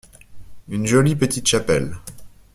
Une jolie petite chapelle.